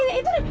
itu itu itu